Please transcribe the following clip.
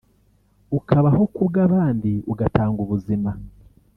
ukabaho ku bw’abandi ugatanga ubuzima